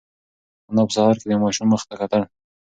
انا په سهار کې د ماشوم مخ ته کتل.